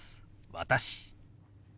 「私」。